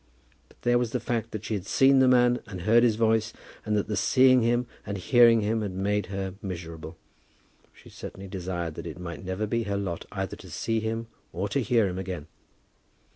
But there was the fact that she had seen the man and heard his voice, and that the seeing him and hearing him had made her miserable. She certainly desired that it might never be her lot either to see him or to hear him again.